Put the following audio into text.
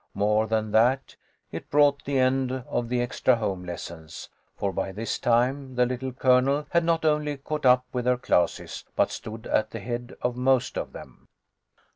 More than that, it brought the end of the extra home lessons, for by this time the Little Colonel had not only caught up with her classes, but stood at the head of most of them.